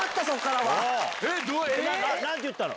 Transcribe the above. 何て言ったの？